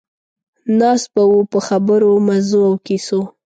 ناست به وو په خبرو، مزو او کیسو.